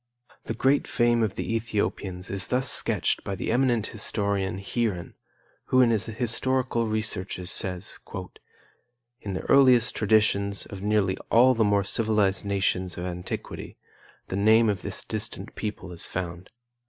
The great fame of the Ethiopians is thus sketched by the eminent historian, Heeren, who in his historical researches says: "In the earliest traditions of nearly all the more civilized nations of antiquity, the name of this distant people is found.